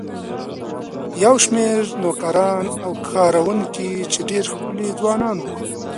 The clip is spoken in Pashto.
یو شمېر نوکران او کارکوونکي چې ډېر ښکلي ځوانان وو.